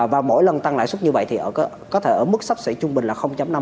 và mỗi lần tăng lãi suất như vậy thì có thể ở mức sắp xỉ trung bình là năm